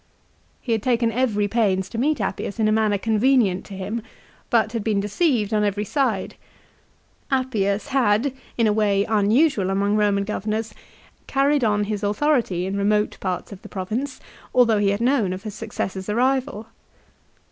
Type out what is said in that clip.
2 He had taken every pains to meet Appius in a manner convenient to him, but had been deceived on every side. Appius had, in a way unusual among Eoman Governors, carried on his authority in remote parts of the province, although he had known of his successor's arrival.